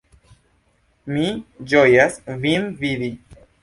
Mi ĝojas vin vidi!